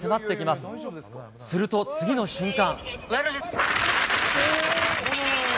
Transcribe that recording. すると、次の瞬間。